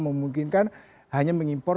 memungkinkan hanya mengimpor